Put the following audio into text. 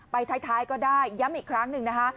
ไปท้ายก็ได้ย้ำอีกครั้งหนึ่งนะคะ